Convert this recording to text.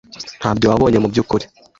Ntacyo wabonye mubyukuri?